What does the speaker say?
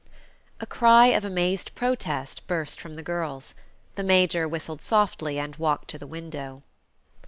A cry of amazed protest burst from the girls. The Major whistled softly and walked to the window.